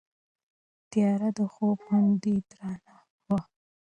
تیاره د خوب غوندې درنه وه.